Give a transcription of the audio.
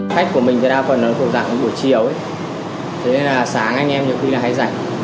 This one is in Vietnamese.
khách của mình thì đa phần là của dạng buổi chiều thế nên là sáng anh em nhiều khi là hay giải